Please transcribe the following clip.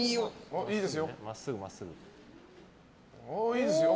いいですよ。